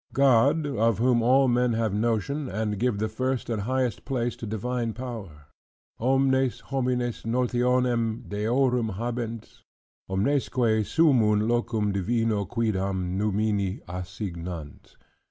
"God, of whom all men have notion, and give the first and highest place to divine power": "Omnes homines notionem deorum habent, omnesque summun locum divino cuidam numini assignant."